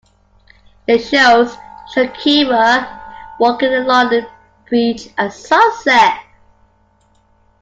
It shows Shakira walking along a beach at sunset.